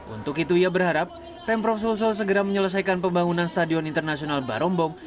untuk itu ia berharap pemprov sulsel segera menyelesaikan pembangunan stadion internasional barombong